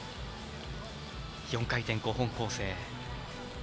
４回転、５本構成。